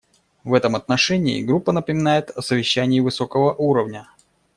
В этом отношении Группа напоминает о совещании высокого уровня.